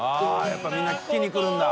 やっぱりみんな聞きに来るんだ。